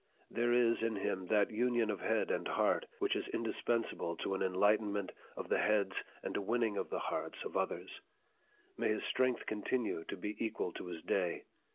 There is in him that union of head and heart, which is indispensable to an enlight enment of the heads and a winning of the hearts of others. May his strength continue to be equal to his day